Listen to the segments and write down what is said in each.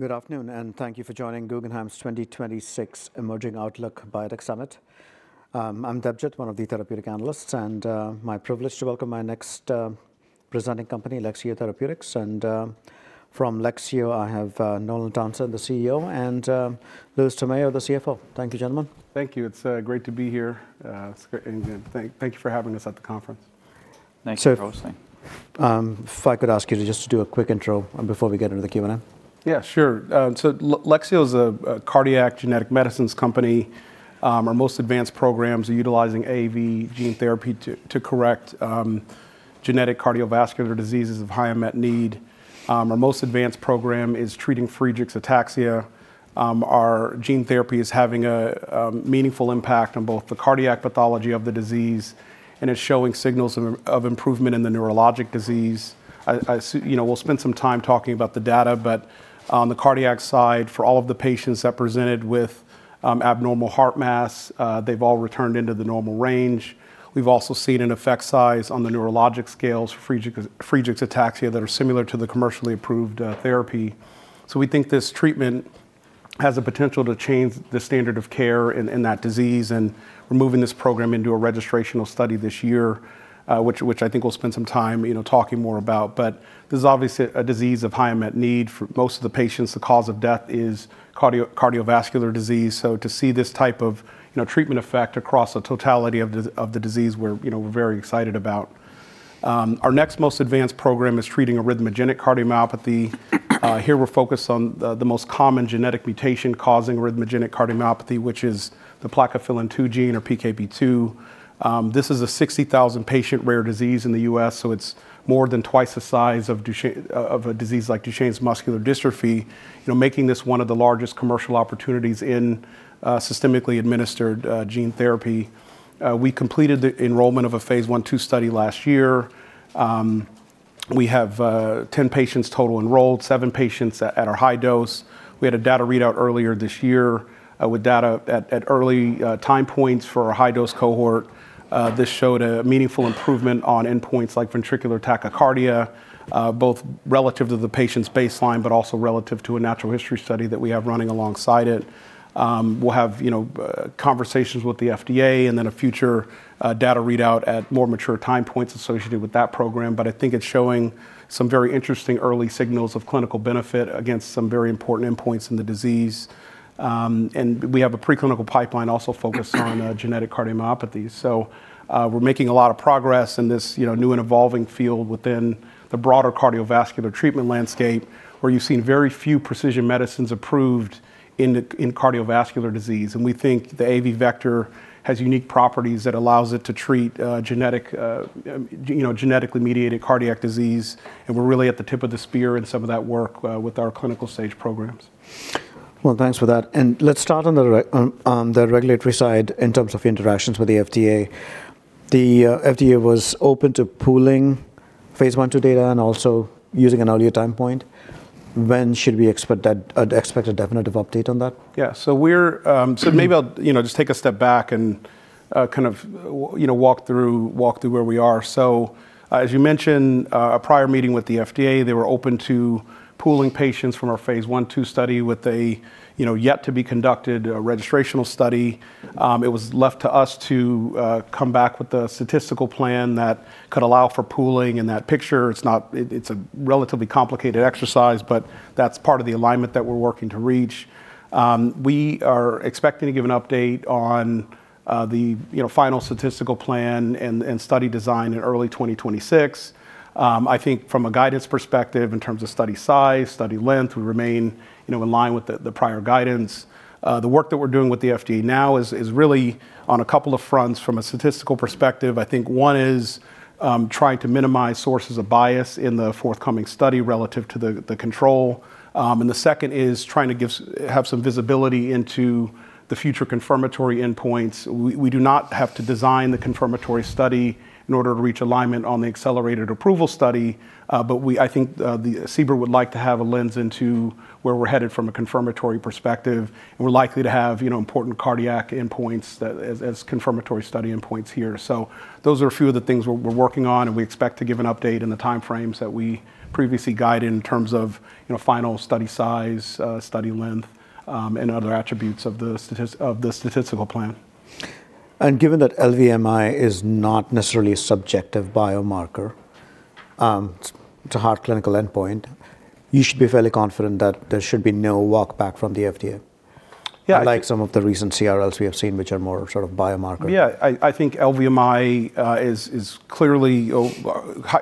Good afternoon, and thank you for joining Guggenheim's 2026 Emerging Outlook Biotech Summit. I'm Debjit, one of the therapeutic analysts, and my privilege to welcome my next presenting company, Lexeo Therapeutics. And from Lexeo, I have Nolan Townsend, the CEO, and Louis Tamayo, the CFO. Thank you, gentlemen. Thank you. It's great to be here. And thank you for having us at the conference. Thank you for hosting. If I could ask you to just do a quick intro, before we get into the Q&A. Yeah, sure. So Lexeo is a cardiac genetic medicines company. Our most advanced programs are utilizing AAV gene therapy to correct genetic cardiovascular diseases of high unmet need. Our most advanced program is treating Friedreich's ataxia. Our gene therapy is having a meaningful impact on both the cardiac pathology of the disease, and it's showing signals of improvement in the neurologic disease. You know, we'll spend some time talking about the data, but on the cardiac side, for all of the patients that presented with abnormal heart mass, they've all returned into the normal range. We've also seen an effect size on the neurologic scales for Friedreich's ataxia that are similar to the commercially approved therapy. So we think this treatment has the potential to change the standard of care in, in that disease, and we're moving this program into a registrational study this year, which, which I think we'll spend some time, you know, talking more about. But this is obviously a disease of high unmet need. For most of the patients, the cause of death is cardio- cardiovascular disease, so to see this type of, you know, treatment effect across the totality of the, of the disease, we're, you know, we're very excited about. Our next most advanced program is treating arrhythmogenic cardiomyopathy. Here we're focused on the, the most common genetic mutation causing arrhythmogenic cardiomyopathy, which is the plakophilin-2 gene, or PKP2. This is a 60,000 patient rare disease in the U.S., so it's more than twice the size of a disease like Duchenne's muscular dystrophy, you know, making this one of the largest commercial opportunities in, systemically administered, gene therapy. We completed the enrollment of a phase I/II study last year. We have, 10 patients total enrolled, seven patients at our high dose. We had a data readout earlier this year, with data at early time points for our high-dose cohort. This showed a meaningful improvement on endpoints like ventricular tachycardia, both relative to the patient's baseline, but also relative to a natural history study that we have running alongside it. We'll have, you know, conversations with the FDA, and then a future data readout at more mature time points associated with that program. But I think it's showing some very interesting early signals of clinical benefit against some very important endpoints in the disease. And we have a preclinical pipeline also focused on genetic cardiomyopathies. So, we're making a lot of progress in this, you know, new and evolving field within the broader cardiovascular treatment landscape, where you've seen very few precision medicines approved in cardiovascular disease. And we think the AAV vector has unique properties that allows it to treat genetically mediated cardiac disease, and we're really at the tip of the spear in some of that work with our clinical-stage programs. Well, thanks for that. And let's start on the regulatory side in terms of interactions with the FDA. The FDA was open to pooling phase I/II data and also using an earlier time point. When should we expect a definitive update on that? Yeah. So we're. So maybe I'll, you know, just take a step back and, kind of, you know, walk through, walk through where we are. So, as you mentioned, a prior meeting with the FDA, they were open to pooling patients from our phase I/II study with a, you know, yet-to-be-conducted, registrational study. It was left to us to, come back with a statistical plan that could allow for pooling in that picture. It's not, it, it's a relatively complicated exercise, but that's part of the alignment that we're working to reach. We are expecting to give an update on, the, you know, final statistical plan and, and study design in early 2026. I think from a guidance perspective, in terms of study size, study length, we remain, you know, in line with the prior guidance. The work that we're doing with the FDA now is really on a couple of fronts from a statistical perspective. I think one is trying to minimize sources of bias in the forthcoming study relative to the control. And the second is trying to give some visibility into the future confirmatory endpoints. We do not have to design the confirmatory study in order to reach alignment on the accelerated approval study, but I think the CBER would like to have a lens into where we're headed from a confirmatory perspective, and we're likely to have, you know, important cardiac endpoints that as confirmatory study endpoints here. Those are a few of the things we're working on, and we expect to give an update in the time frames that we previously guided in terms of, you know, final study size, study length, and other attributes of the statistical plan. Given that LVMI is not necessarily a subjective biomarker, it's a hard clinical endpoint, you should be fairly confident that there should be no walk back from the FDA- Yeah, I-... like some of the recent CRLs we have seen, which are more sort of biomarker. Yeah, I think LVMI is clearly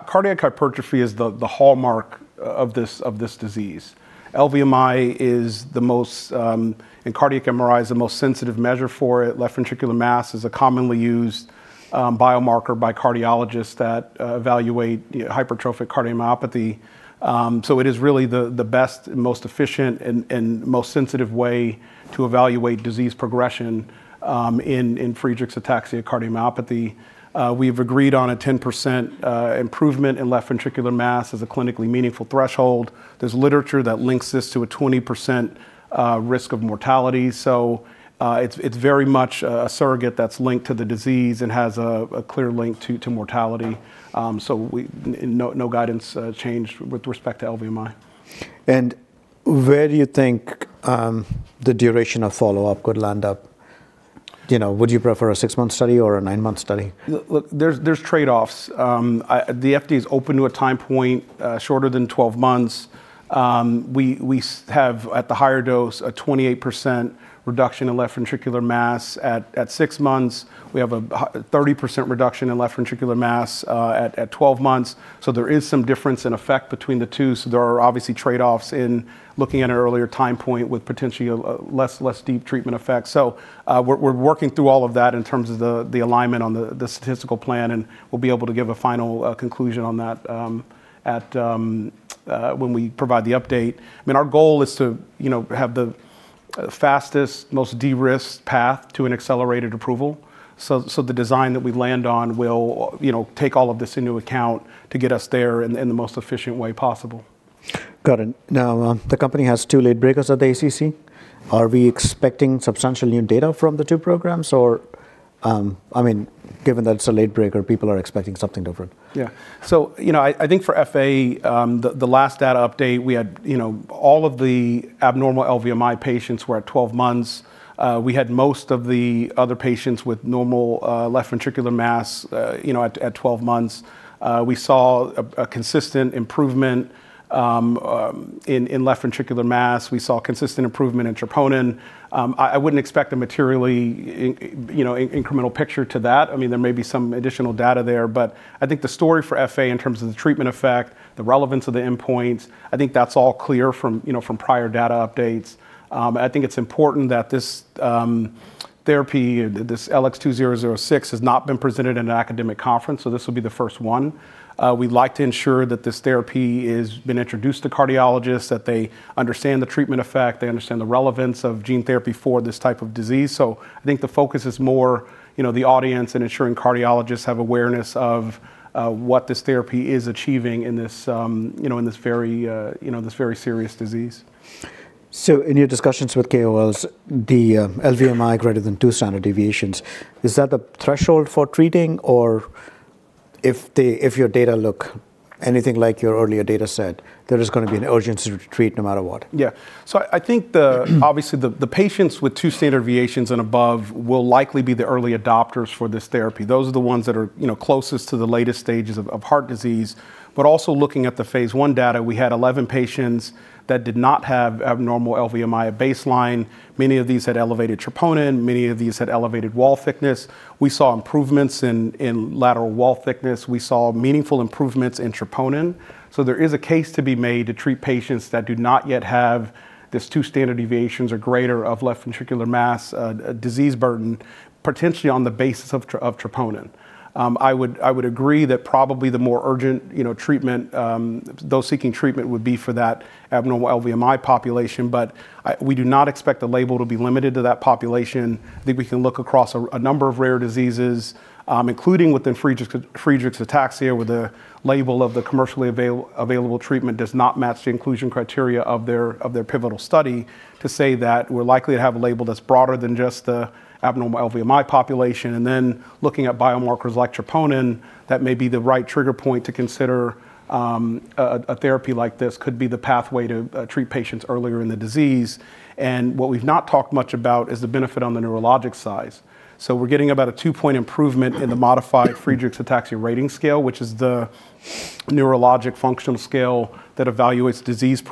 cardiac hypertrophy is the hallmark of this disease. LVMI is the most. And cardiac MRI is the most sensitive measure for it. Left ventricular mass is a commonly used biomarker by cardiologists that evaluate the hypertrophic cardiomyopathy. So it is really the best and most efficient and most sensitive way to evaluate disease progression in Friedreich's ataxia cardiomyopathy. We've agreed on a 10% improvement in left ventricular mass as a clinically meaningful threshold. There's literature that links this to a 20% risk of mortality, so it's very much a surrogate that's linked to the disease and has a clear link to mortality. No guidance changed with respect to LVMI. Where do you think the duration of follow-up could land up? ... you know, would you prefer a six-month study or a nine-month study? There's trade-offs. The FDA is open to a time point shorter than 12 months. We have, at the higher dose, a 28% reduction in left ventricular mass. At six months, we have a 30% reduction in left ventricular mass at 12 months. So there is some difference in effect between the two, so there are obviously trade-offs in looking at an earlier time point with potentially a less deep treatment effect. So we're working through all of that in terms of the alignment on the statistical plan, and we'll be able to give a final conclusion on that when we provide the update. I mean, our goal is to, you know, have the fastest, most de-risked path to an accelerated approval. So, the design that we land on will, you know, take all of this into account to get us there in the most efficient way possible. Got it. Now, the company has two late breakers at the ACC. Are we expecting substantial new data from the two programs? Or, I mean, given that it's a late breaker, people are expecting something different. Yeah. So, you know, I think for FA, the last data update, we had, you know, all of the abnormal LVMI patients were at 12 months. We had most of the other patients with normal left ventricular mass, you know, at 12 months. We saw a consistent improvement in left ventricular mass. We saw consistent improvement in troponin. I wouldn't expect a materially incremental picture to that. I mean, there may be some additional data there, but I think the story for FA in terms of the treatment effect, the relevance of the endpoints, I think that's all clear from, you know, from prior data updates. I think it's important that this, therapy, this LX2006 has not been presented in an academic conference, so this will be the first one. We'd like to ensure that this therapy is being introduced to cardiologists, that they understand the treatment effect, they understand the relevance of gene therapy for this type of disease. So I think the focus is more, you know, the audience and ensuring cardiologists have awareness of what this therapy is achieving in this, you know, in this very, you know, this very serious disease. In your discussions with KOLs, the LVMI greater than two standard deviations, is that the threshold for treating? Or if your data look anything like your earlier data set, there is gonna be an urgency to treat no matter what. Yeah. So I think obviously, the patients with two standard deviations and above will likely be the early adopters for this therapy. Those are the ones that are, you know, closest to the latest stages of heart disease. But also looking at the phase I data, we had 11 patients that did not have abnormal LVMI at baseline. Many of these had elevated troponin, many of these had elevated wall thickness. We saw improvements in lateral wall thickness. We saw meaningful improvements in troponin. So there is a case to be made to treat patients that do not yet have this two standard deviations or greater of left ventricular mass disease burden, potentially on the basis of troponin. I would, I would agree that probably the more urgent, you know, treatment, those seeking treatment would be for that abnormal LVMI population, but we do not expect the label to be limited to that population. I think we can look across a number of rare diseases, including within Friedreich's ataxia, where the label of the commercially available treatment does not match the inclusion criteria of their, of their pivotal study, to say that we're likely to have a label that's broader than just the abnormal LVMI population. And then looking at biomarkers like troponin, that may be the right trigger point to consider, a therapy like this could be the pathway to treat patients earlier in the disease. And what we've not talked much about is the benefit on the neurologic side. So we're getting about a 2-point improvement in the Modified Friedreich's Ataxia Rating Scale, which is the neurologic functional scale that evaluates disease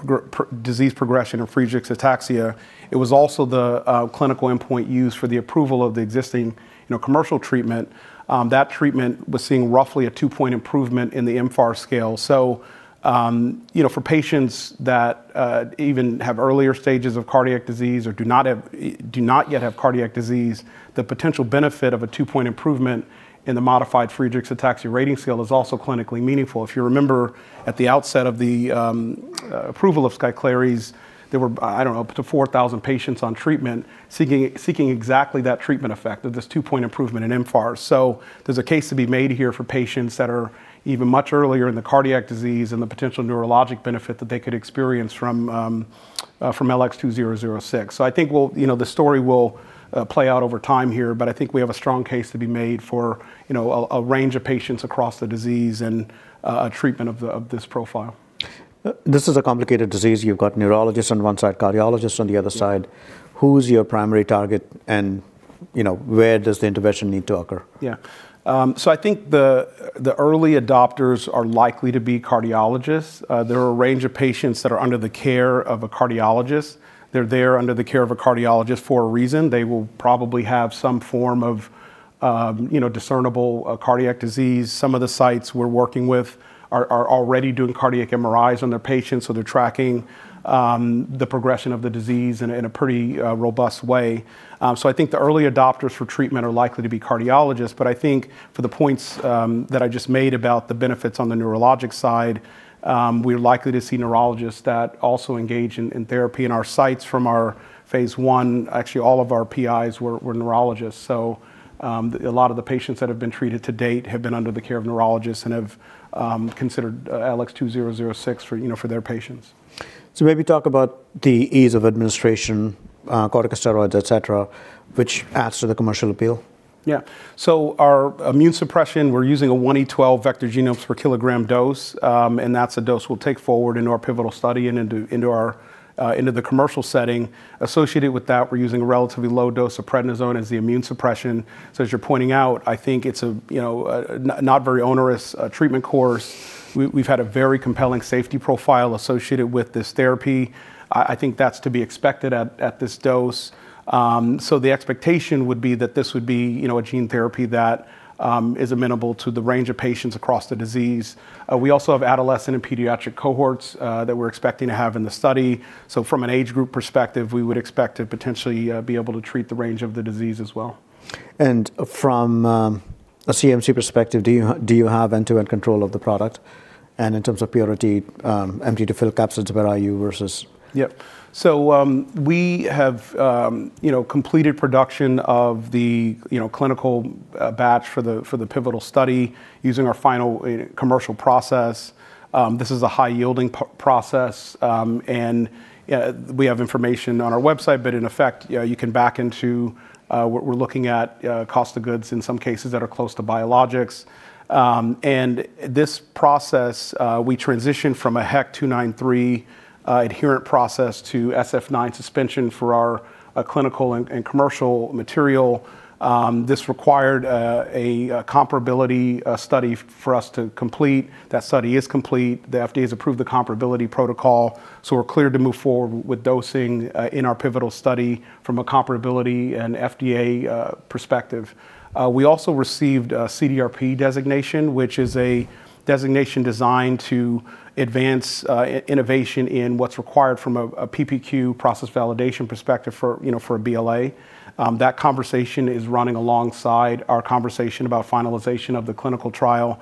progression in Friedreich's ataxia. It was also the clinical endpoint used for the approval of the existing, you know, commercial treatment. That treatment was seeing roughly a 2-point improvement in the mFARS scale. So, you know, for patients that even have earlier stages of cardiac disease or do not have, do not yet have cardiac disease, the potential benefit of a 2-point improvement in the Modified Friedreich's Ataxia Rating Scale is also clinically meaningful. If you remember, at the outset of the approval of SKYCLARYS, there were, I don't know, up to 4,000 patients on treatment, seeking exactly that treatment effect of this 2-point improvement in mFARS. So there's a case to be made here for patients that are even much earlier in the cardiac disease and the potential neurologic benefit that they could experience from LX2006. So I think we'll... You know, the story will play out over time here, but I think we have a strong case to be made for, you know, a range of patients across the disease and treatment of this profile. This is a complicated disease. You've got neurologists on one side, cardiologists on the other side. Yeah. Who's your primary target, and, you know, where does the intervention need to occur? Yeah. So I think the early adopters are likely to be cardiologists. There are a range of patients that are under the care of a cardiologist. They're under the care of a cardiologist for a reason. They will probably have some form of, you know, discernible cardiac disease. Some of the sites we're working with are already doing cardiac MRIs on their patients, so they're tracking the progression of the disease in a pretty robust way. So I think the early adopters for treatment are likely to be cardiologists, but I think for the points that I just made about the benefits on the neurologic side, we're likely to see neurologists that also engage in therapy. In our sites from our phase I, actually, all of our PIs were neurologists, so a lot of the patients that have been treated to date have been under the care of neurologists and have considered LX2006 for, you know, for their patients. So maybe talk about the ease of administration, corticosteroids, et cetera, which adds to the commercial appeal.... Yeah. So our immune suppression, we're using a 1 × 10^12 vector genomes per kilogram dose, and that's a dose we'll take forward into our pivotal study and into our into the commercial setting. Associated with that, we're using a relatively low dose of prednisone as the immune suppression. So as you're pointing out, I think it's a, you know, a not very onerous treatment course. We've had a very compelling safety profile associated with this therapy. I think that's to be expected at this dose. So the expectation would be that this would be, you know, a gene therapy that is amenable to the range of patients across the disease. We also have adolescent and pediatric cohorts that we're expecting to have in the study. So from an age group perspective, we would expect to potentially be able to treat the range of the disease as well. From a CMC perspective, do you have end-to-end control of the product? In terms of purity, empty-to-full capsids about IU versus- Yep. So, we have, you know, completed production of the, you know, clinical batch for the pivotal study using our final commercial process. This is a high-yielding process, and we have information on our website, but in effect, yeah, you can back into what we're looking at, cost of goods in some cases that are close to biologics. And this process, we transitioned from a HEK293 adherent process to Sf9 suspension for our clinical and commercial material. This required a comparability study for us to complete. That study is complete. The FDA has approved the comparability protocol, so we're clear to move forward with dosing in our pivotal study from a comparability and FDA perspective. We also received a CDRP designation, which is a designation designed to advance innovation in what's required from a PPQ process validation perspective for, you know, for a BLA. That conversation is running alongside our conversation about finalization of the clinical trial.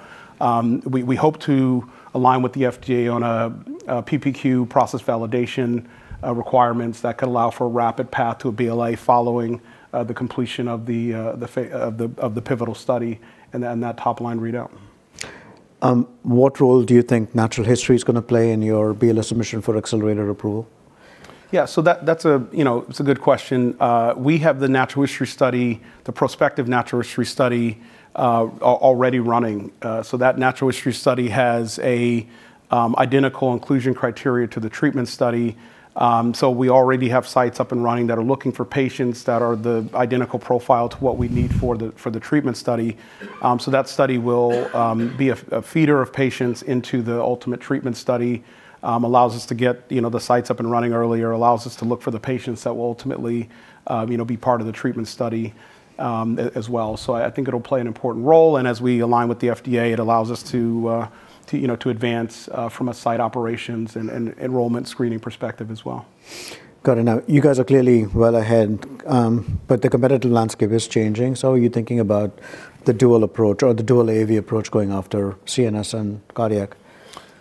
We hope to align with the FDA on a PPQ process validation requirements that could allow for a rapid path to a BLA following the completion of the pivotal study and then that top-line readout. What role do you think natural history is going to play in your BLA submission for accelerated approval? Yeah, so that's a good question. We have the natural history study, the prospective natural history study, already running. So that natural history study has identical inclusion criteria to the treatment study. So we already have sites up and running that are looking for patients that are the identical profile to what we need for the, for the treatment study. So that study will be a feeder of patients into the ultimate treatment study, allows us to get, you know, the sites up and running earlier, allows us to look for the patients that will ultimately, you know, be part of the treatment study, as well. So I think it'll play an important role, and as we align with the FDA, it allows us to, you know, to advance from a site operations and enrollment screening perspective as well. Got it. Now, you guys are clearly well ahead, but the competitive landscape is changing, so are you thinking about the dual approach or the dual AAV approach going after CNS and cardiac?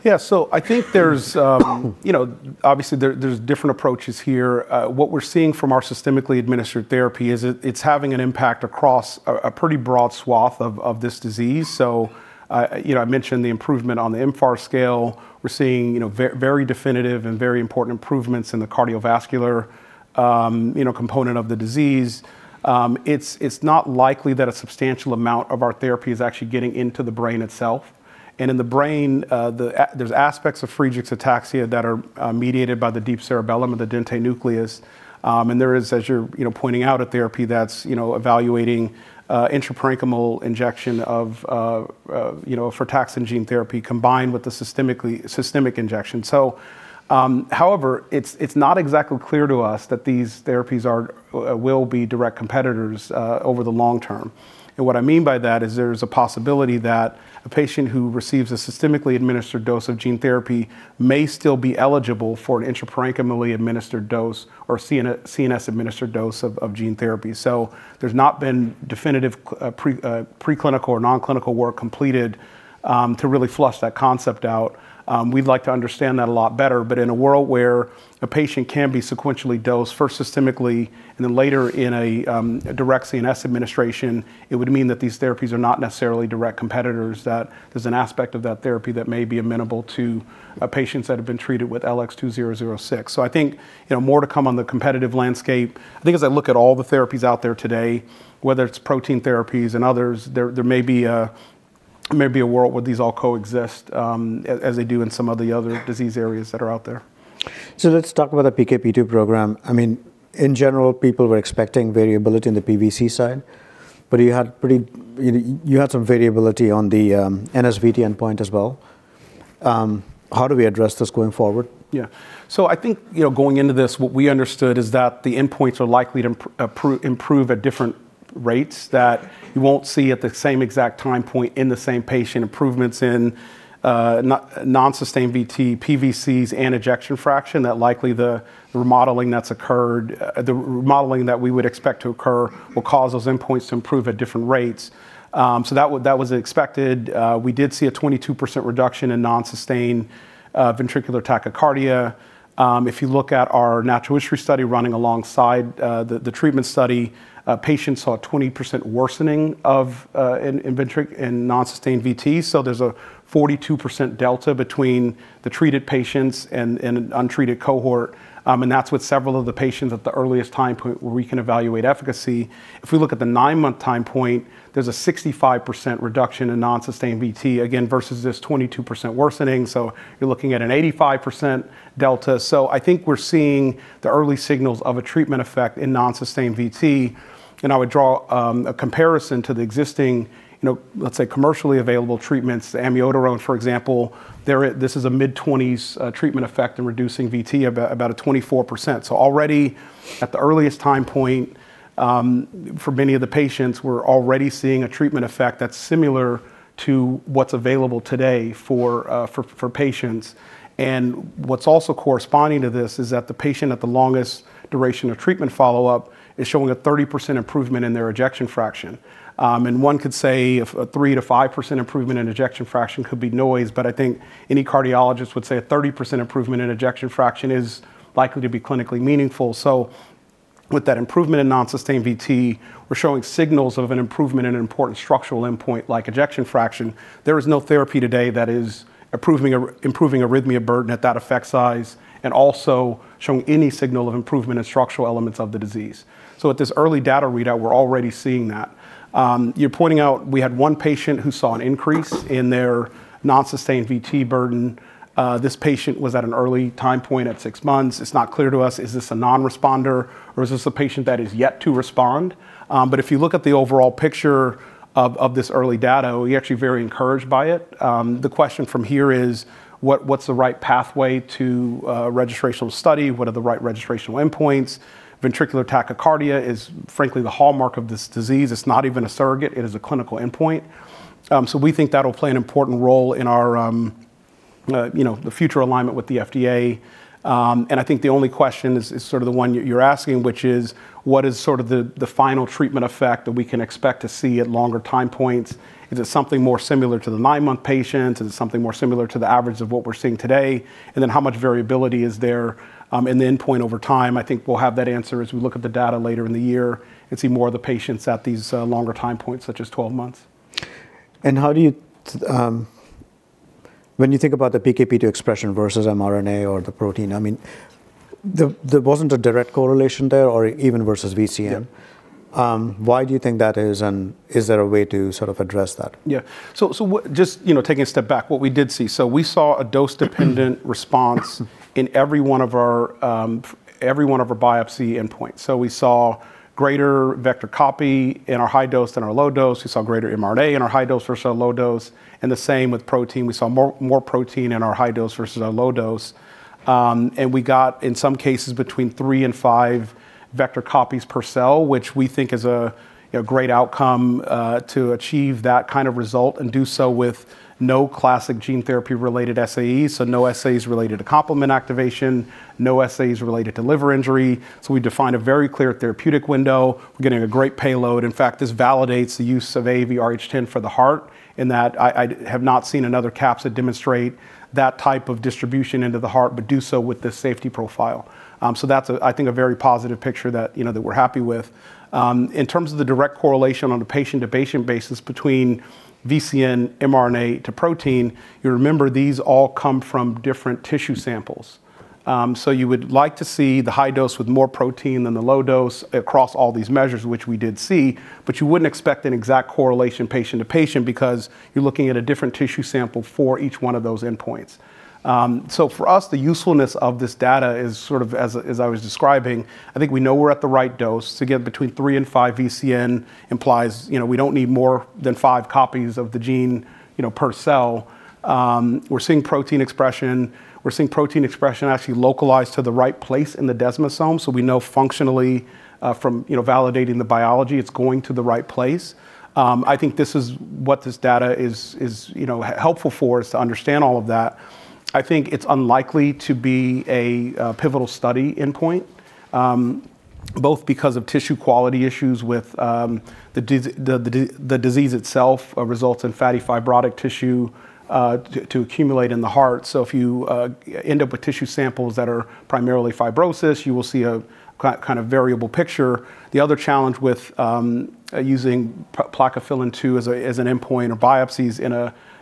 Yeah. So I think there's, you know, obviously, there's different approaches here. What we're seeing from our systemically administered therapy is it's having an impact across a pretty broad swath of this disease. So, you know, I mentioned the improvement on the mFARS scale. We're seeing, you know, very definitive and very important improvements in the cardiovascular, you know, component of the disease. It's not likely that a substantial amount of our therapy is actually getting into the brain itself. And in the brain, there's aspects of Friedreich's ataxia that are mediated by the deep cerebellum or the dentate nucleus. And there is, as you're, you know, pointing out, a therapy that's, you know, evaluating intraparenchymal injection of, you know, frataxin gene therapy, combined with the systemic injection. So, however, it's not exactly clear to us that these therapies are will be direct competitors over the long term. And what I mean by that is there's a possibility that a patient who receives a systemically administered dose of gene therapy may still be eligible for an intraparenchymally administered dose or CNS-administered dose of gene therapy. So there's not been definitive preclinical or non-clinical work completed to really flush that concept out. We'd like to understand that a lot better, but in a world where a patient can be sequentially dosed first systemically and then later in a direct CNS administration, it would mean that these therapies are not necessarily direct competitors, that there's an aspect of that therapy that may be amenable to patients that have been treated with LX2006. I think, you know, more to come on the competitive landscape. I think as I look at all the therapies out there today, whether it's protein therapies and others, there may be a world where these all coexist, as they do in some of the other disease areas that are out there. So let's talk about the PKP2 program. I mean, in general, people were expecting variability in the PVC side, but you had pretty, you had some variability on the NSVT endpoint as well. How do we address this going forward? Yeah. So I think, you know, going into this, what we understood is that the endpoints are likely to improve at different rates, that you won't see at the same exact time point in the same patient, improvements in non-sustained VT, PVCs, and ejection fraction, that likely the remodeling that's occurred, the remodeling that we would expect to occur will cause those endpoints to improve at different rates. So that was expected. We did see a 22% reduction in non-sustained ventricular tachycardia. If you look at our natural history study running alongside the treatment study, patients saw a 20% worsening in non-sustained VT. So there's a 42% delta between the treated patients and untreated cohort, and that's with several of the patients at the earliest time point where we can evaluate efficacy. If we look at the nine-month time point, there's a 65% reduction in non-sustained VT, again, versus this 22% worsening, so you're looking at an 85% delta. So I think we're seeing the early signals of a treatment effect in non-sustained VT, and I would draw a comparison to the existing, you know, let's say, commercially available treatments, amiodarone, for example, there is a mid-twenties treatment effect in reducing VT, about, about a 24%. So already, at the earliest time point for many of the patients, we're already seeing a treatment effect that's similar to what's available today for patients. What's also corresponding to this is that the patient at the longest duration of treatment follow-up is showing a 30% improvement in their ejection fraction. And one could say if a 3%-5% improvement in ejection fraction could be noise, but I think any cardiologist would say a 30% improvement in ejection fraction is likely to be clinically meaningful. So with that improvement in non-sustained VT, we're showing signals of an improvement in an important structural endpoint like ejection fraction. There is no therapy today that is approving or improving arrhythmia burden at that effect size, and also showing any signal of improvement in structural elements of the disease. So at this early data readout, we're already seeing that. You're pointing out we had one patient who saw an increase in their non-sustained VT burden. This patient was at an early time point at six months. It's not clear to us, is this a non-responder or is this a patient that is yet to respond? But if you look at the overall picture of this early data, we're actually very encouraged by it. The question from here is, what's the right pathway to a registrational study? What are the right registrational endpoints? Ventricular tachycardia is frankly the hallmark of this disease. It's not even a surrogate. It is a clinical endpoint. So we think that'll play an important role in our, you know, the future alignment with the FDA. And I think the only question is, is sort of the one you're asking, which is: What is sort of the final treatment effect that we can expect to see at longer time points? Is it something more similar to the nine-month patient, is it something more similar to the average of what we're seeing today, and then how much variability is there in the endpoint over time? I think we'll have that answer as we look at the data later in the year and see more of the patients at these longer time points, such as 12 months. How do you... When you think about the PKP2 expression versus mRNA or the protein, I mean, there wasn't a direct correlation there or even versus VCN. Yeah. Why do you think that is, and is there a way to sort of address that? Yeah. So, just, you know, taking a step back, what we did see. So we saw a dose-dependent response in every one of our biopsy endpoints. So we saw greater vector copy in our high dose than our low dose. We saw greater mRNA in our high dose versus our low dose, and the same with protein. We saw more protein in our high dose versus our low dose. And we got, in some cases, between three and five vector copies per cell, which we think is a great outcome to achieve that kind of result and do so with no classic gene therapy-related SAEs, so no SAEs related to complement activation, no SAEs related to liver injury. So we define a very clear therapeutic window. We're getting a great payload. In fact, this validates the use of AAVrh.10 for the heart, in that I have not seen another capsid demonstrate that type of distribution into the heart, but do so with the safety profile. So that's, I think, a very positive picture that, you know, that we're happy with. In terms of the direct correlation on a patient-to-patient basis between VCN mRNA to protein, you remember these all come from different tissue samples. So you would like to see the high dose with more protein than the low dose across all these measures, which we did see, but you wouldn't expect an exact correlation patient to patient because you're looking at a different tissue sample for each one of those endpoints. So for us, the usefulness of this data is sort of as, as I was describing, I think we know we're at the right dose. To get between three and five VCN implies, you know, we don't need more than five copies of the gene, you know, per cell. We're seeing protein expression. We're seeing protein expression actually localized to the right place in the desmosome, so we know functionally, from, you know, validating the biology, it's going to the right place. I think this is... What this data is, is, you know, helpful for is to understand all of that. I think it's unlikely to be a pivotal study endpoint, both because of tissue quality issues with the disease itself results in fatty fibrotic tissue to accumulate in the heart. So if you end up with tissue samples that are primarily fibrosis, you will see a kind of variable picture. The other challenge with using plakophilin-2 as an endpoint or biopsies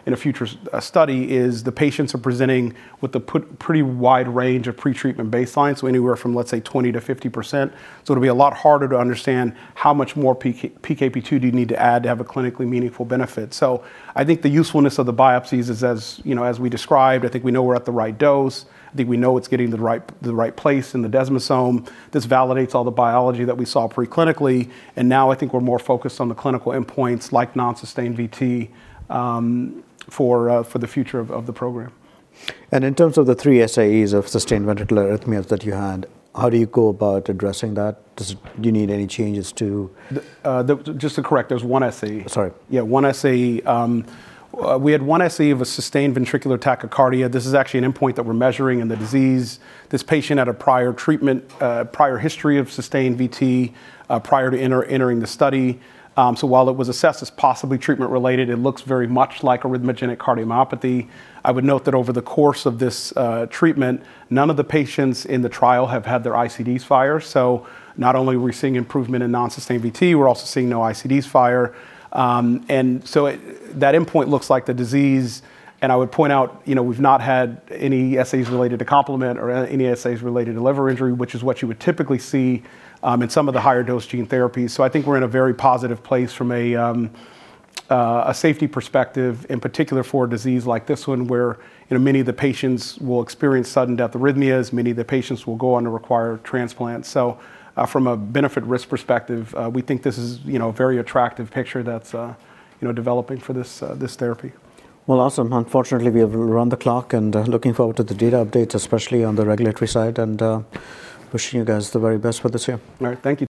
in a future study is the patients are presenting with a pretty wide range of pre-treatment baseline, so anywhere from, let's say, 20%-50%. So it'll be a lot harder to understand how much more PKP2 do you need to add to have a clinically meaningful benefit. So I think the usefulness of the biopsies is as, you know, as we described. I think we know we're at the right dose. I think we know it's getting to the right, the right place in the desmosome. This validates all the biology that we saw preclinically, and now I think we're more focused on the clinical endpoints, like non-sustained VT, for the future of the program. In terms of the three SAEs of sustained ventricular arrhythmias that you had, how do you go about addressing that? Does it... Do you need any changes to- Just to correct, there's one SAE. Sorry. Yeah, one SAE. We had one SAE of a sustained ventricular tachycardia. This is actually an endpoint that we're measuring in the disease. This patient had a prior treatment, prior history of sustained VT, prior to entering the study. So while it was assessed as possibly treatment-related, it looks very much like arrhythmogenic cardiomyopathy. I would note that over the course of this treatment, none of the patients in the trial have had their ICDs fire. So not only are we seeing improvement in non-sustained VT, we're also seeing no ICDs fire. And so it, that endpoint looks like the disease, and I would point out, you know, we've not had any SAEs related to complement or any SAEs related to liver injury, which is what you would typically see in some of the higher dose gene therapies. I think we're in a very positive place from a safety perspective, in particular for a disease like this one, where, you know, many of the patients will experience sudden death arrhythmias, many of the patients will go on to require transplants. From a benefit-risk perspective, we think this is, you know, a very attractive picture that's, you know, developing for this therapy.... Well, awesome. Unfortunately, we have run the clock, and looking forward to the data updates, especially on the regulatory side, and wishing you guys the very best for this year. All right, thank you.